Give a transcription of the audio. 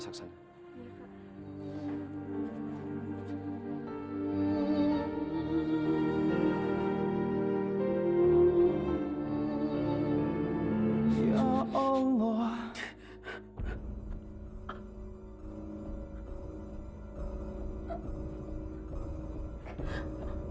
tapi kamu gak ada apa apain kan